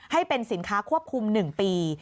ให้เป็นสินค้าควบคุม๑ปี